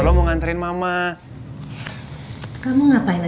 ibu tentangkan aku sama iga